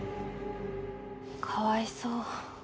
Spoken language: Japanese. かわいそう。